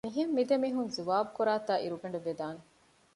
މިހެން މި ދެމީހުން ޒުވާބުކުރާތާ އިރުގަނޑެއް ވެދާނެ